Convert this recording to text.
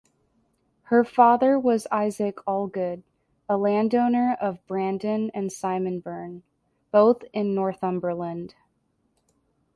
Her father was Isaac Allgood, a landowner of Brandon and Simonburn, both in Northumberland.